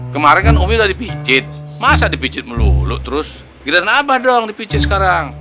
kemarin kan umi udah dipijin masa dipijin melulu terus giliran abah doang dipijin sekarang